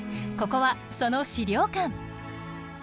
ここはその資料館。